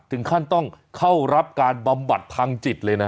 ถึงขั้นต้องเข้ารับการบำบัดทางจิตเลยนะ